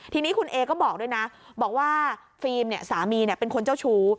ทีนี้คุณเอก็บอกด้วยนะบอกว่าฟิล์มเนี่ยสามีเป็นคนเจ้าชู้